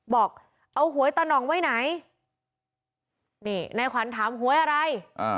บอกเอาหวยตะน่องไว้ไหนนี่นายขวัญถามหวยอะไร